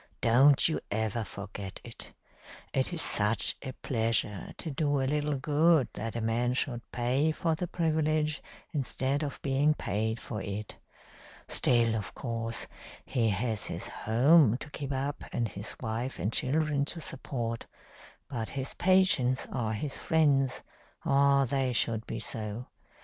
Don't you ever forget it. It is such a pleasure to do a little good that a man should pay for the privilege instead of being paid for it. Still, of course, he has his home to keep up and his wife and children to support. But his patients are his friends or they should be so.